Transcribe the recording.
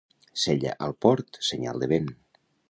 Cella al port, senyal de vent.